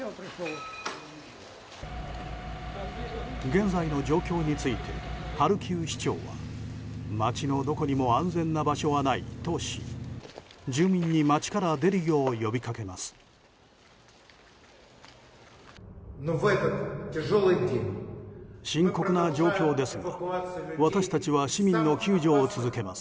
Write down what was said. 現在の状況についてハルキウ市長は街のどこにも安全な場所はないとし住民に街から出るよう呼びかけます。